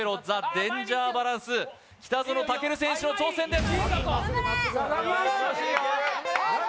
デンジャーバランス北園丈琉選手の挑戦です・頑張れ！